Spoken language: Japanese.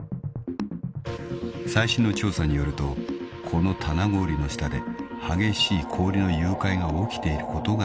［最新の調査によるとこの棚氷の下で激しい氷の融解が起きていることが分かってきた］